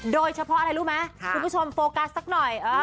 โดยเฉพาะอะไรรู้ไหมคุณผู้ชมโฟกัสสักหน่อย